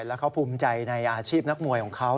แล้วเขาภูมิใจในอาชีพนักมวยของเขา